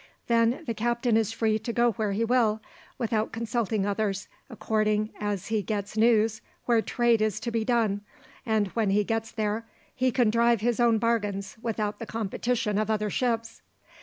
Then the captain is free to go where he will, without consulting others, according as he gets news where trade is to be done, and when he gets there he can drive his own bargains without the competition of other ships.